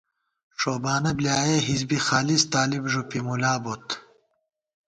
ݭوبانہ بۡلیایَہ حزبی خالِصی طالب ݫُپی مُلابوت